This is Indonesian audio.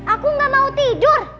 aku gak mau tidur